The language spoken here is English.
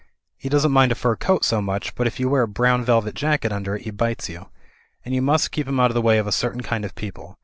He doesn't mind a fur coat so much, but if you wear a brown velvet jacket under it, he bites you. And you must keep him out of the way of a certain kind of people.